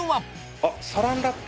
あっサランラップ？